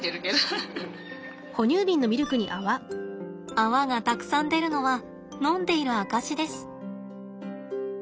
泡がたくさん出るのは飲んでいる証しです。